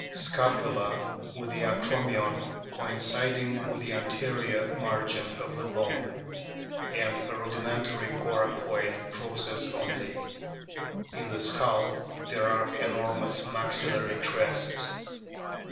Scapula with the acromion coinciding with the anterior margin of the bone, and a rudimentary coracoicl process only. In the skull there are enormous maxillary crests.